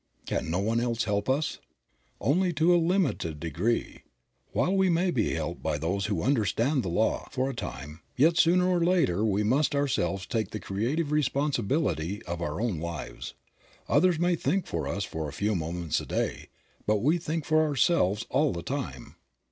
Can no one else help us? Only to a limited degree. While we may be helped by those who understand the law, for a time, yet sooner or later we must ourselves take the creative responsibility of our own lives. Others may think for us for a few moments a day, but we think for ourselves all the time.